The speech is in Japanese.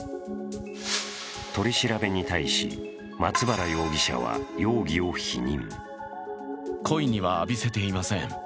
取り調べに対し、松原容疑者は容疑を否認。